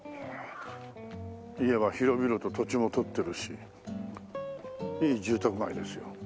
家は広々と土地も取ってるしいい住宅街ですよ。